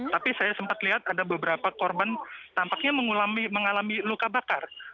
tapi saya sempat lihat ada beberapa korban tampaknya mengalami luka bakar